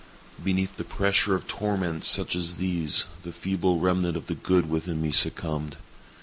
_ Beneath the pressure of torments such as these, the feeble remnant of the good within me succumbed.